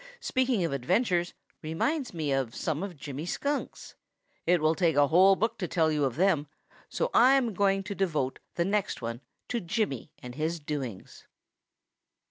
Speaking of adventures reminds me of some of Jimmy Skunk's. It will take a whole book to tell you of them, so I am going to devote the next one to Jimmy and his doings.